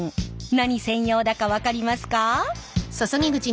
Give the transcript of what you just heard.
何専用だか分かりますか？